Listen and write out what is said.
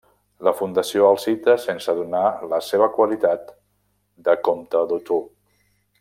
La Fundació el cita sense donar la seva qualitat de comte d'Autun.